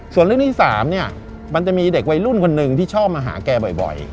ส่วนเรื่องที่๓เนี่ยมันจะมีเด็กวัยรุ่นคนหนึ่งที่ชอบมาหาแกบ่อย